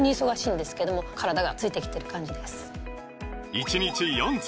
１日４粒！